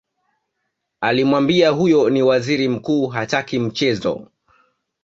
alimwambia huyo ni waziri mkuu hataki mchezo